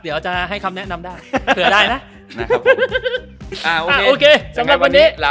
เดี๋ยวจะให้คำแนะนำได้เผื่อได้นะ